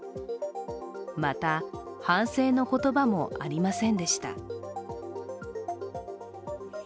また、反省の言葉もありませんでした。